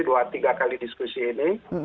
dua tiga kali diskusi ini